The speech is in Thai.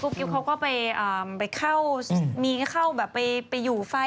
กิ๊บเขาก็ไปเข้ามีเข้าแบบไปอยู่ไฟ